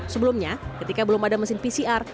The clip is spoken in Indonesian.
sebelumnya ketika belum ada mesin pcr